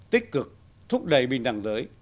tích cực thúc đẩy bình đẳng giới